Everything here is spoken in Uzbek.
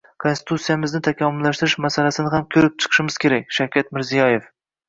Konstitutsiyamizni takomillashtirish masalasini ham ko‘rib chiqishimiz kerak — Shavkat Mirziyoyev